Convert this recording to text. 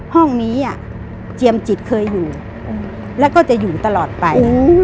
ห้องนี้เจียมจิตเคยอยู่แล้วก็จะอยู่ตลอดไป